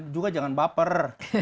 juga jangan baper